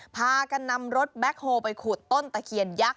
พากันนำรถแบ็คโฮลไปขุดต้นตะเคียนยักษ